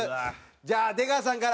じゃあ出川さんから。